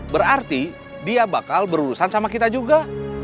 berarti dia bakal berurusan sama kita juga